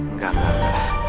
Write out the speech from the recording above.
enggak enggak enggak